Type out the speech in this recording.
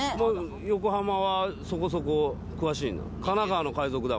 横浜はそこそこ詳しいの？